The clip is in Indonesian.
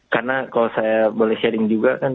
karena kalau saya boleh sharing juga kan